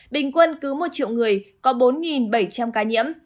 bình quân cứ một triệu người có bốn bảy trăm linh ca nhiễm